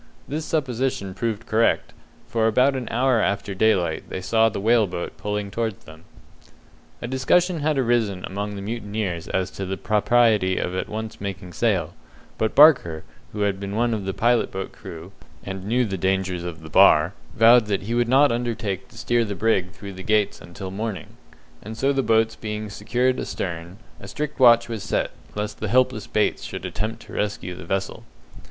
This supposition proved correct, for about an hour after daylight they saw the whale boat pulling towards them. A discussion had arisen amongst the mutineers as to the propriety of at once making sail, but Barker, who had been one of the pilot boat crew, and knew the dangers of the Bar, vowed that he would not undertake to steer the brig through the Gates until morning; and so the boats being secured astern, a strict watch was set, lest the helpless Bates should attempt to rescue the vessel.